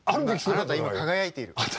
あなた今輝いている。